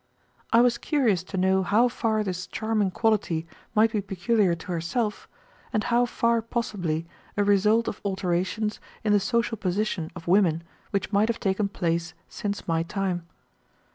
I was curious to know how far this charming quality might be peculiar to herself, and how far possibly a result of alterations in the social position of women which might have taken place since my time.